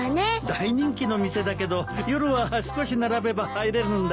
大人気の店だけど夜は少し並べば入れるんだよ。